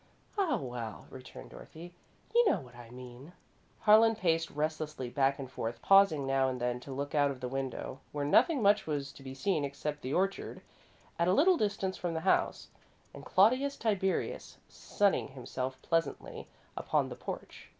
"Oh, well," returned Dorothy; "you know what I mean." Harlan paced restlessly back and forth, pausing now and then to look out of the window, where nothing much was to be seen except the orchard, at a little distance from the house, and Claudius Tiberius, sunning himself pleasantly upon the porch.